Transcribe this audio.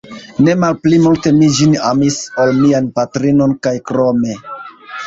Ne malpli multe mi ĝin amis, ol mian patrinon, kaj krome.